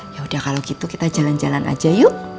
yaudah kalau gitu kita jalan jalan aja yuk